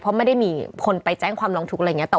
เพราะไม่ได้มีคนไปแจ้งความร้องทุกข์อะไรอย่างนี้